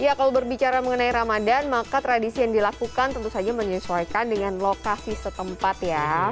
ya kalau berbicara mengenai ramadan maka tradisi yang dilakukan tentu saja menyesuaikan dengan lokasi setempat ya